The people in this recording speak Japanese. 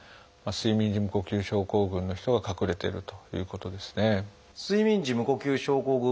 睡眠時無呼吸症候群も脳出血のリスクになるということですね。